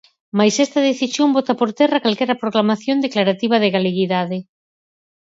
Mais esta decisión bota por terra calquera proclamación declarativa de galeguidade.